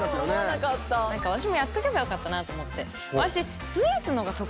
何か私もやっとけばよかったなと思って。